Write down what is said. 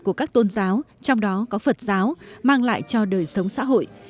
của các tôn giáo trong đó có phật giáo mang lại cho đời sống xã hội